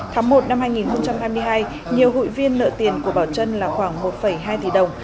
tháng một năm hai nghìn hai mươi hai nhiều hụi viên nợ tiền của bảo trân là khoảng một hai tỷ đồng